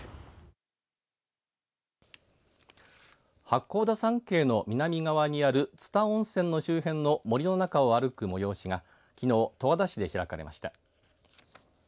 八甲田山系の南側にある蔦温泉の周辺の森の中を歩く催しがきのう十和田市で開かれました。